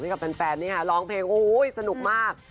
ให้กับเป็นแฟนนี้ค่ะร้องเพลงโอ้ยสนุกมาก